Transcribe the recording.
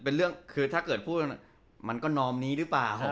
มันคือพันธุ์เดี่ยวหรือเปล่า